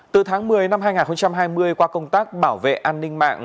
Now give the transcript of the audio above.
từ tháng một mươi năm hai nghìn hai mươi qua công tác bảo vệ an ninh mạng